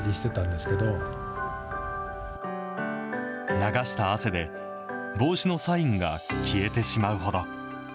流した汗で、帽子のサインが消えてしまうほど。